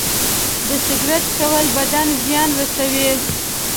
د سګرټ څکول بدن زیان رسوي.